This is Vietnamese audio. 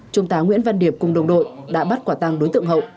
trung tá nguyễn văn điệp cùng đồng đội đã bắt quả tăng đối tượng hậu